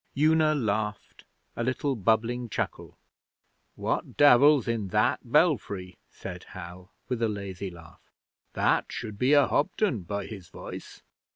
Una laughed a little bubbling chuckle. 'What Devil's in that belfry?' said Hal, with a lazy laugh. 'That should be a Hobden by his voice.'